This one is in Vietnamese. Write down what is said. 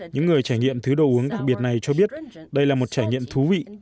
những người trải nghiệm thứ đồ uống đặc biệt này cho biết đây là một trải nghiệm thú vị